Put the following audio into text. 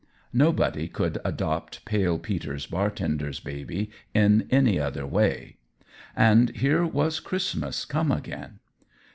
Nobody could adopt Pale Peter's bartender's baby in any other way. And here was Christmas come again!